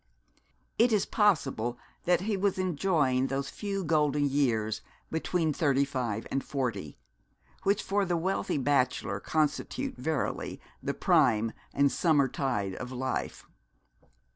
It is possible that he was enjoying those few golden years between thirty five and forty, which for the wealthy bachelor constitute verily the prime and summer tide of life.